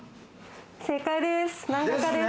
正解です。